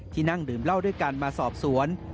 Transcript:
นั่งดื่มเหล้าด้วยกันมาสอบสวน